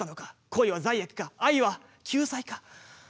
恋は罪悪か、愛は救済か。